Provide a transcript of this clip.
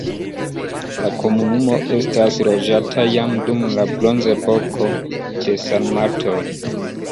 La komunumo estis loĝata jam dum la bronzepoko, de sarmatoj.